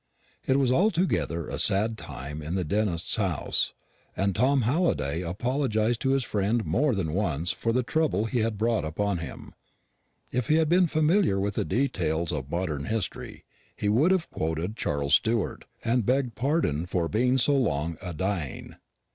It was altogether a sad time in the dentist's house; and Tom Halliday apologised to his friend more than once for the trouble he had brought upon him. If he had been familiar with the details of modern history, he would have quoted Charles Stuart, and begged pardon for being so long a dying.